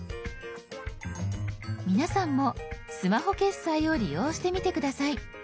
皆さんもスマホ決済を利用してみて下さい。